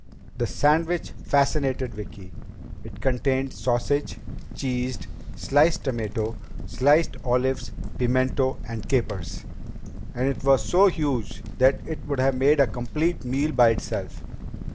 The sandwich fascinated Vicki. It contained sausage, cheese, sliced tomato, sliced olives, pimento, and capers. And it was so huge that it would have made a complete meal by itself.